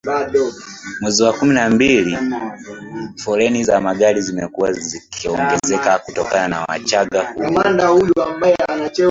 mwezi wa kumi na mbili foleni za magari zimekuwa zikiongezeka kutokana na Wachagga kurudi